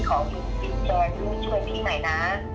ขออินสินแชร์ที่จะช่วยพี่ใหม่นะ